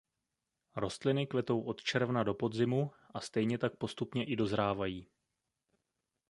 Rostliny kvetou od června do podzimu a stejně tak postupně i dozrávají.